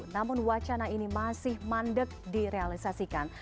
namun wacana ini masih mandek direalisasikan